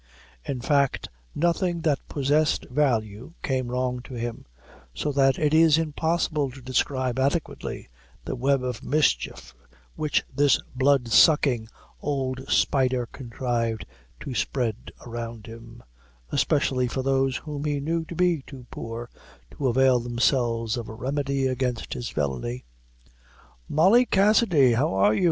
In fact, nothing that possessed value came wrong to him, so that it is impossible to describe adequately the web of mischief which this blood sucking old spider contrived to spread around him, especially for those whom he knew to be too poor to avail themselves of a remedy against his villany. "Molly Cassidy, how are you?"